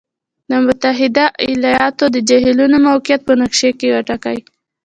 د متحد ایالاتو د جهیلونو موقعیت په نقشې کې وټاکئ.